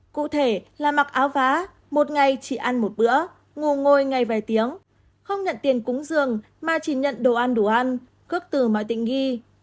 cụ thể là mặc áo vá một ngày chỉ ăn một bữa ngủ ngồi ngay vài tiếng không nhận tiền cúng giường mà chỉ nhận đồ ăn đủ ăn cước từ mọi tình nghi